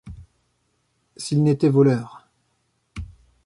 S’il n’était voleur